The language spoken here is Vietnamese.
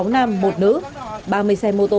hai mươi sáu nam một nữ ba mươi xe mô tô